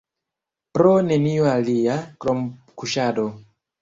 Pro nenio alia, krom kuŝado.